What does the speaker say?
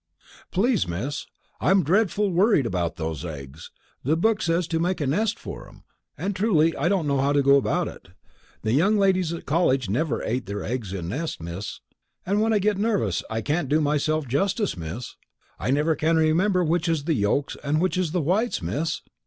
"Please, Miss, I'm dreadful worried about those eggs. The book says to make a nest for 'em, and truly I don't know how to go about it. The young ladies at college never ate their eggs in nests, miss. And when I gets nervous I can't do myself justice, Miss. I never can remember which is the yolks and which is the whites, miss."